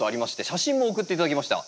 写真も送って頂きました。